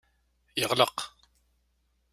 Yeɣleq.